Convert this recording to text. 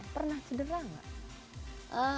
pernah cederha gak